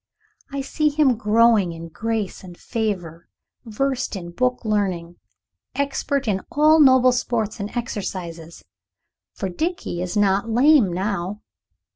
I see him growing in grace and favor, versed in book learning, expert in all noble sports and exercises. For Dickie is not lame now.